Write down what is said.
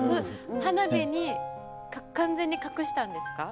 花火に完全に隠したんですか？